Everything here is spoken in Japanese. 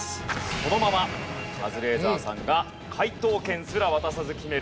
このままカズレーザーさんが解答権すら渡さず決めるのか？